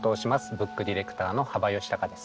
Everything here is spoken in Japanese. ブックディレクターの幅允孝です。